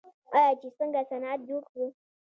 آیا چې څنګه صنعت جوړ کړو؟